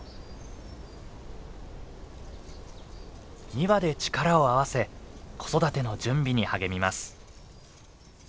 ２羽で力を合わせ子育ての準備に励みます。